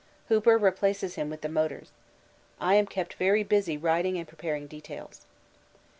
Hooper replaces him with the motors. I am kept very busy writing and preparing details.